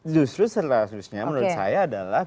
justru seharusnya menurut saya adalah